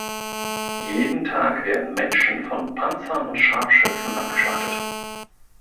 Jeden Tag werden Menschen von Panzern und Scharfschützen abgeschlachtet.